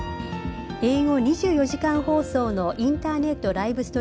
英語２４時間放送のインターネットライブ